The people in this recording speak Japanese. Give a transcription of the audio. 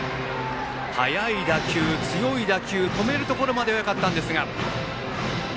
速い打球、強い打球をとめるところまではよかったんですが。